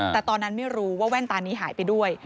แต่ตอนนั้นไม่รู้ว่าแว่นตานี้หายไปด้วย